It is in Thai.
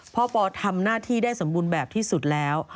ปอทำหน้าที่ได้สมบูรณ์แบบที่สุดแล้ว